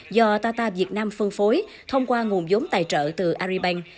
do tata việt nam phân phối thông qua nguồn giống tài trợ từ agribank